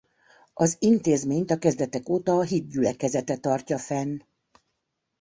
Az intézményt a kezdetek óta a Hit Gyülekezete tartja fenn.